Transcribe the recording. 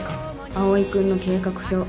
蒼君の計画表。